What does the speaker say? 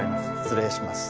失礼します。